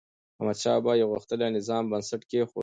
احمدشاه بابا د یو غښتلي نظام بنسټ کېښود.